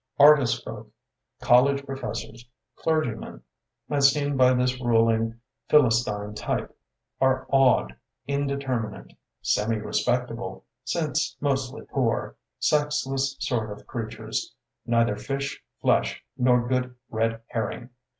Artist folk, col lege professors, clergymen, as seen by this ruling Philistine type are odd, in determinate, semi respectable (since mostly poor) sexless sort of creatures, neither fish, flesh, nor good red her ring.